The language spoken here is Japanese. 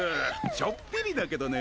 ちょっぴりだけどね。